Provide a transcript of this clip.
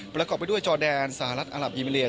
ประกอบไปด้วยจอแดนสหรัฐอัลับอีเมเลีย